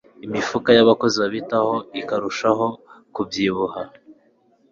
imifuka y'abakozi babitaho ikarushaho kubyibuha